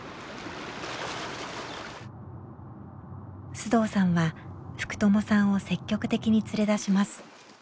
須藤さんは福朋さんを積極的に連れ出します。